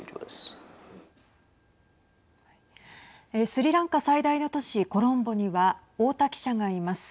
スリランカ最大の都市コロンボには太田記者がいます。